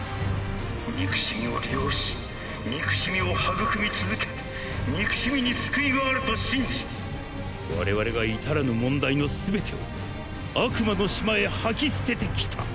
憎しみを利用し憎しみを育み続け憎しみに救いがあると信じ我々が至らぬ問題のすべてを「悪魔の島」へ吐き捨ててきた。